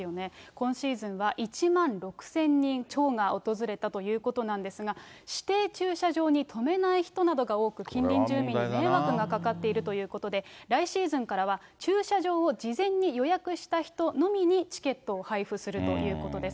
今シーズンは１万６０００人超が訪れたということなんですが、指定駐車場に止めない人などが多く、近隣住民に迷惑がかかっているということで、来シーズンからは駐車場を事前に予約した人のみにチケットを配布するということです。